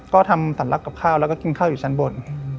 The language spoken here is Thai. ก็ทำสัญลักษณ์กับข้าวแล้วก็กินข้าวอยู่ชั้นบน